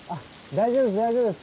大丈夫です大丈夫です。